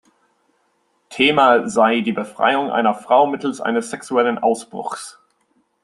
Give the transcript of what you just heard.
Thema sei die Befreiung einer Frau mittels eines sexuellen Ausbruchs.